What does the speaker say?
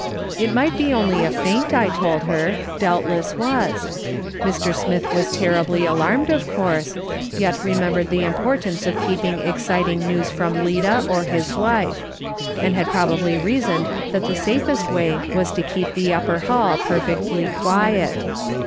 It might be only a faint, I told her , doubtless was. Mr. Smith was terribly alarmed, of course, yet remembered the importance of keeping exciting news from Lida, or his wife ; and had probably reasoned that the safest way was to keep the upper hall perfectly quiet.